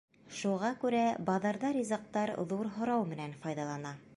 Шуға күрә баҙарҙа ризыҡтар ҙур һорау менән файҙалана.